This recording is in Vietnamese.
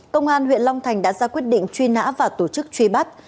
công an huyện long thành đã ra quyết định truy nã và tổ chức truy bắt